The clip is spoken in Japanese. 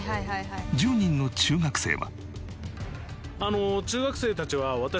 １０人の中学生は。